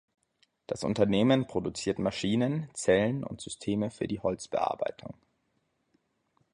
Das Unternehmen produziert Maschinen, Zellen und Systeme für die Holzbearbeitung.